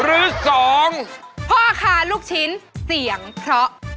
หรือ๒พ่อค้าลูกชิ้นเสี่ยงพก